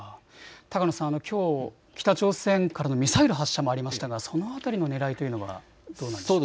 高野さん、きょうは北朝鮮からのミサイル発射もありましたかその辺りのねらいはどうでしょうか。